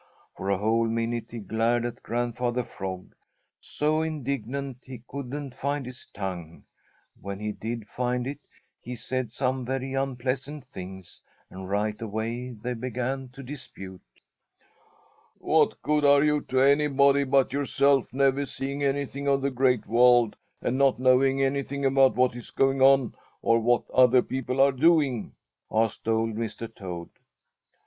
For a whole minute he glared at Grandfather Frog, so indignant he couldn't find his tongue. When he did find it, he said some very unpleasant things, and right away they began to dispute. "What good are you to anybody but yourself, never seeing anything of the Great World and not knowing anything about what is going on or what other people are doing?" asked old Mr. Toad.